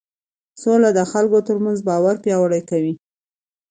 سوله د خلکو ترمنځ باور پیاوړی کوي